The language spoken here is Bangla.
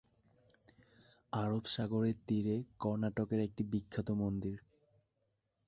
আরব সাগরের তীরে কর্ণাটকের একটি বিখ্যাত মন্দির।